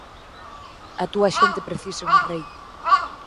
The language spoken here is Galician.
A túa xente precisa un rei.